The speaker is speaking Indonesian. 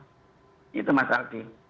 itu masalah d